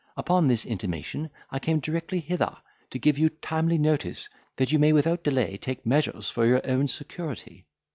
Upon this intimation, I came directly hither, to give you timely notice, that you may without delay take measures for your own security.